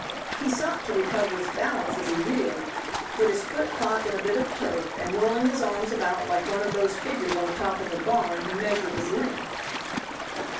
He sought to recover his balance as he reeled, but his foot caught in a bit of turf, and whirling his arms about like one of those figures on the top of a barn he measured his length.